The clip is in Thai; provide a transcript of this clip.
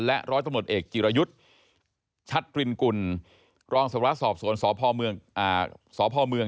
ร้อยตำรวจเอกจิรยุทธ์ชัดรินกุลรองสารวสอบสวนสพเมือง